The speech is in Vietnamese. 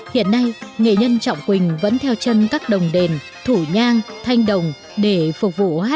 hiện nay nghệ nhân trọng quỳnh vẫn theo chân các đồng đền thủ nhang thanh đồng để phục vụ hát văn hậu thánh